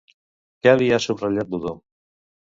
Què li ha subratllat Budó?